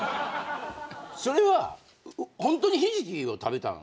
それはホントにひじきを食べたの？